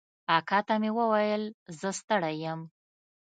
اکا ته مې وويل زه ستړى يم.